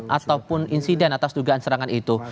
ataupun insiden atas dugaan serangan itu